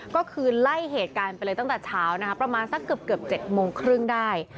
ก็คือไล่เหตุการณ์ไปเลยตั้งแต่เช้านะคะประมาณสักเกือบ๗โมงครึ่งได้